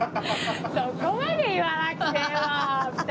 そこまで言わなくても２人！